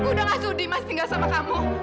gudang asudi masih tinggal sama kamu